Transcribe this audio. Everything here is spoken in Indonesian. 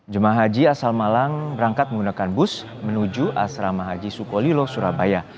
jemaah haji asal malang berangkat menggunakan bus menuju asrama haji sukolilo surabaya